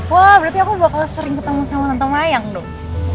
wah berarti aku bakal sering ketemu sama tante mayang dong